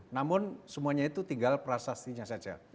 namun semuanya itu tinggal prasastinya saja